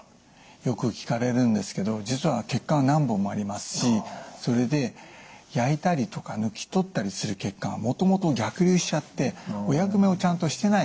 よく聞かれるんですけど実は血管は何本もありますしそれで焼いたりとか抜き取ったりする血管はもともと逆流しちゃってお役目をちゃんとしてない。